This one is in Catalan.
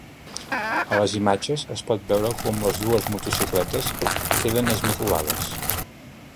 A les imatges es pot veure com les dues motocicletes queden esmicolades.